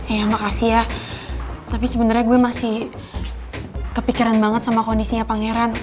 iya makasih ya tapi sebenarnya gue masih kepikiran banget sama kondisinya pangeran